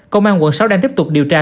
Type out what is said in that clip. công an quận sáu đang tiếp tục điều tra